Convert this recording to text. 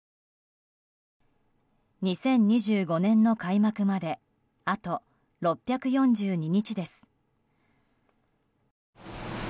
２０２５年の開幕まであと６４２日です。